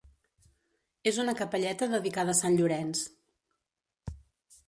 És una capelleta dedicada a sant Llorenç.